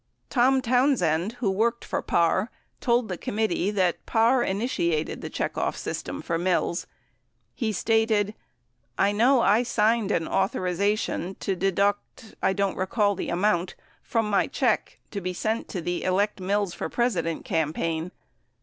76 Tom Townsend, who worked for Parr, told the committee that Parr initiated the checkoff system for Mills. He stated, "I know I signed an authorization to deduct — I don't recall the amount — from my check to be sent to the Elect Mills for President campaign."